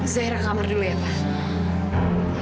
seirah kamar dulu ya pak